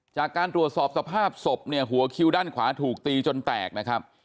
จากการตรวจสอบสภาพศพเนี่ยหัวคิวด้านขวาถูกตีจนแตกนะครับ